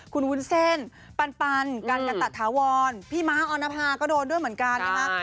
คุณวุ้นเส้นปันกันกะตะถาวรพี่ม้าออนภาก็โดนด้วยเหมือนกันนะคะ